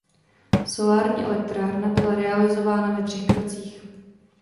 Solární elektrárna byla realizována ve třech krocích.